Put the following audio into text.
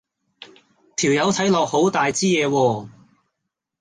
條友睇落好大枝野喎